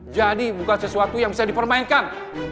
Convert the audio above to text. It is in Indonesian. jadi bukan sesuatu yang bisa dipermainkan